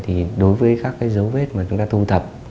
thì đối với các cái dấu vết mà chúng ta thu thập